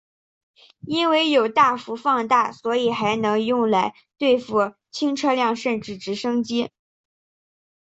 因为有大幅放大所以还能用来对付轻车辆甚至直升机。